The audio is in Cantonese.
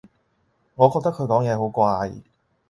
我覺得佢講嘢好怪